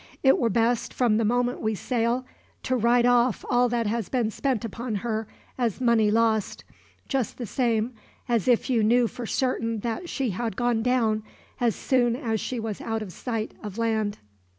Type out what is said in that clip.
It were best, from the moment we sail, to write off all that has been spent upon her as money lost, just the same as if you knew for certain that she had gone down as soon as she was out of sight of land.